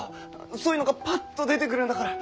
そういうのがパッと出てくるんだから。